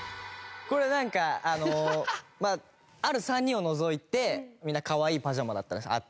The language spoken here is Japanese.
これなんかある３人を除いてみんなかわいいパジャマだったんです。